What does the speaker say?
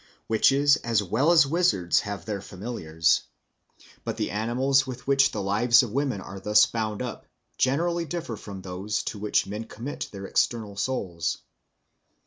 Witches as well as wizards have their familiars; but the animals with which the lives of women are thus bound up generally differ from those to which men commit their external souls.